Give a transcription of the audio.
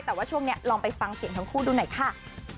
แต่ว่าช่วงนี้ลองไปฟังเสียงทั้งคู่ดูหน่อยค่ะ